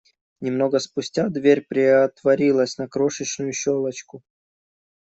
Немного спустя дверь приотворилась на крошечную щелочку.